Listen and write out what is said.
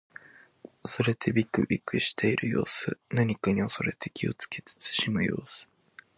恐れてびくびくしている様子。何かに恐れて気をつけ慎む様子。